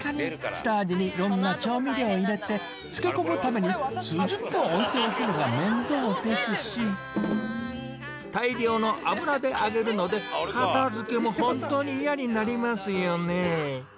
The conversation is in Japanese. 下味に色んな調味料を入れて漬け込むために数十分置いておくのが面倒ですし大量の油で揚げるので片付けも本当に嫌になりますよね